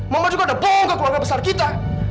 mama juga udah bohong ke keluarga besar kita